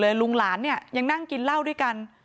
ลุงหลานเนี่ยยังนั่งกินเหล้าด้วยกัน